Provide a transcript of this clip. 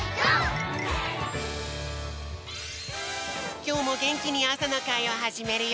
きょうもげんきにあさのかいをはじめるよ！